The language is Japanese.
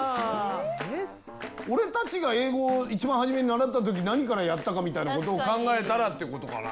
俺たちが英語を一番初めに習った時何からやったかみたいなことを考えたらってことかな。